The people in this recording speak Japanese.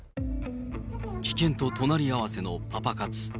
危険と隣り合わせのパパ活。